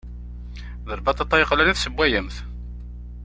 D lbaṭaṭa yeqlan i tessewwayemt?